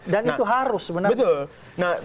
dan itu harus sebenarnya